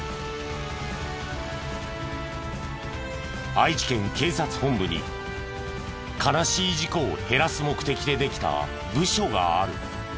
愛知県警察本部に悲しい事故を減らす目的でできた部署がある。